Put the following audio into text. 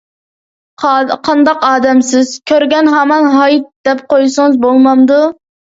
قانداق ئادەمسىز، كۆرگەن ھامان ھايت دەپ قويسىڭىز بولمامدۇ؟